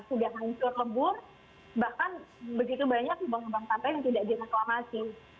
sudah hancur lebur bahkan begitu banyak lubang lubang sampah yang tidak direklamasi